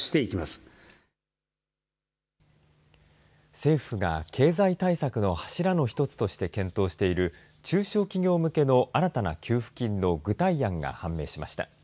政府が経済対策の柱のひとつとして検討している中小企業向けの新たな給付金の具体案が判明しました。